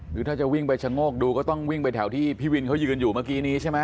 คือถ้าจะวิ่งไปชะโงกดูก็ต้องวิ่งไปแถวที่พี่วินเขายืนอยู่เมื่อกี้นี้ใช่ไหม